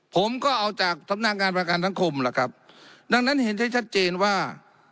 ผมก็เอาจากสำนักงานประกันสังคมล่ะครับดังนั้นเห็นได้ชัดเจนว่า